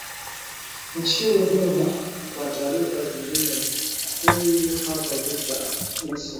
nchini humo kwa taarifa zingine huyu hapa victor abuso